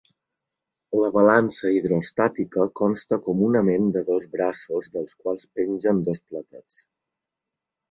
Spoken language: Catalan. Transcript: La balança hidroestàtica consta comunament de dos braços, dels quals pengen dos platets.